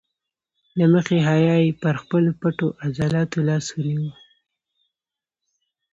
له مخې حیا یې پر خپلو پټو عضلاتو لاس ونیو.